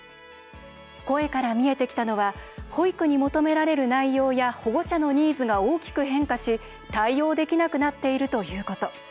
声から見えてきたのは保育に求められる内容や保護者のニーズが大きく変化し対応できなくなっているということ。